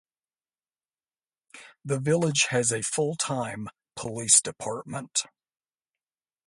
The village has a full-time police department.